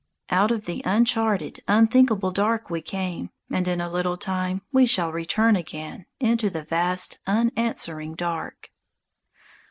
_Out of the uncharted, unthinkable dark we came, And in a little time we shall return again Into the vast, unanswering dark.